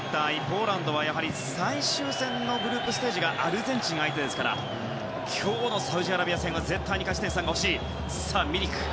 ポーランドは最終戦のグループステージがアルゼンチン相手ですから今日のサウジアラビア戦は絶対に勝ち点３が欲しい。